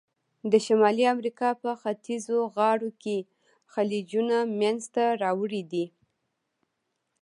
د شمالي امریکا په ختیځو غاړو کې خلیجونه منځته راوړي دي.